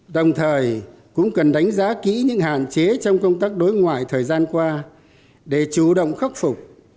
đồng thời cũng cần đánh giá kỹ những hạn chế trong công tác đối ngoại thời gian qua để chủ động khắc phục